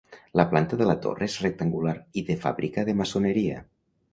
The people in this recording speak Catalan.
La planta de la torre és rectangular i de fàbrica de maçoneria.